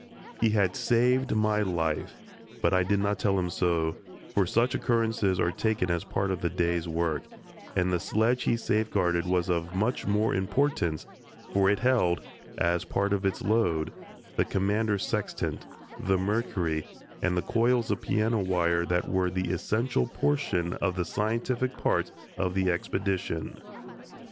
He had saved my life, but I did not tell him so, for such occurrences are taken as part of the day's work, and the sledge he safeguarded was of much more importance, for it held, as part of its load, the Commander's sextant, the mercury, and the coils of piano wire that were the essential portion of the scientific part of the expedition.